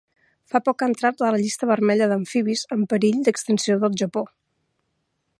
Fa poc ha entrat a la llista vermella d'amfibis amb perill d'extinció del Japó.